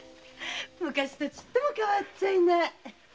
昔とちっとも変わっちゃいない。